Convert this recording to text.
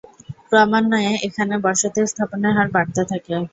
ক্রমান্বয়ে এখানে বসতি স্থাপনের হার বাড়তে থাকে।